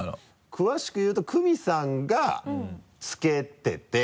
詳しく言うとクミさんがつけてて。